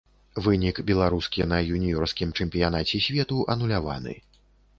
Вынік беларускі на юніёрскім чэмпіянаце свету ануляваны.